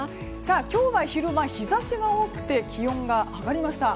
今日は昼間日差しが多くて気温が上がりました。